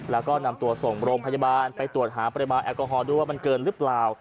แล้วก็นำตัวส่งโรงพยาบาลไปตรวจหาปริมาณแอลกอฮอลด้วยว่ามันเกินหรือเปล่า